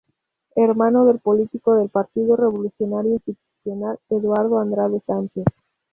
Hermano del político del Partido Revolucionario Institucional Eduardo Andrade Sánchez.